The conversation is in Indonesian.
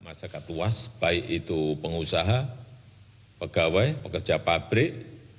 masyarakat luas baik itu pengusaha pegawai pekerja pabrik